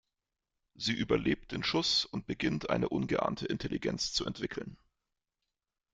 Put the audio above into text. Sie überlebt den Schuss und beginnt, eine ungeahnte Intelligenz zu entwickeln.